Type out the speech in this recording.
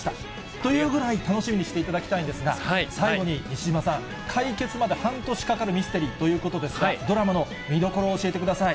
というぐらい、楽しみにしていただきたいんですが、最後に西島さん、解決まで半年かかるミステリーということですが、ドラマの見どころ、教えてください。